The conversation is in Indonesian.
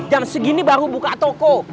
jam segini baru buka toko